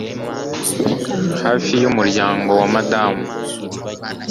Hafi yumuryango wa madamu